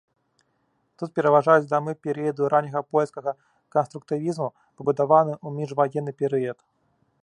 Тут пераважаюць дамы перыяду ранняга польскага канструктывізму, пабудаваныя ў міжваенны перыяд.